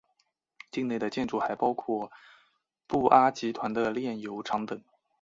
境内的建筑还包括布阿集团的炼油厂等。